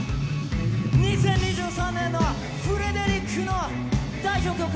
２０２３年のフレデリックの代表曲から始めます。